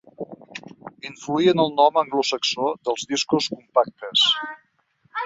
Influí en el nom anglosaxó dels discos compactes.